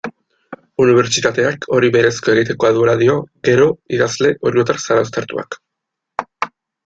Unibertsitateak hori berezko egitekoa duela dio gero idazle oriotar zarauztartuak.